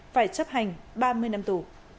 phải chấp hành ba mươi năm tù